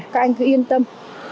các anh cứ yên tâm